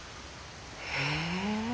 へえ。